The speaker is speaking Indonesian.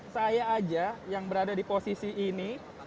saya aja yang berada di posisi ini